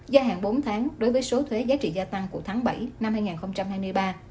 gia hạn bốn tháng đối với số thuế giá trị gia tăng của tháng bảy năm hai nghìn hai mươi ba